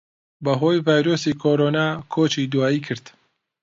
بەھۆی ڤایرۆسی کۆرۆنا کۆچی دواییی کرد